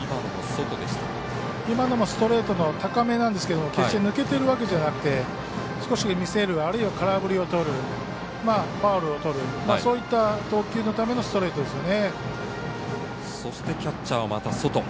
今のもストレート、高めなんですけど決して抜けてるわけじゃなくて少し見せるあるいは空振りをとるファウルをとるそういった投球のためのストレートですよね。